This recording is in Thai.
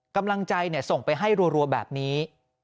กำลังใจส่งไปให้รัวแบบนี้